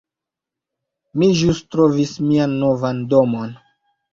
Mi ĵus trovis mian novan domon